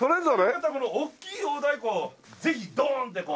よかったらこの大きい大太鼓をぜひドーンッてこう。